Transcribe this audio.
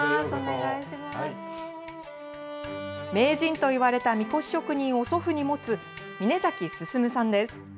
名人といわれたみこし職人を祖父に持つ、峰崎進さんです。